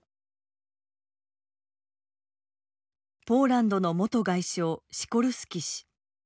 ポーランドの元外相シコルスキ氏。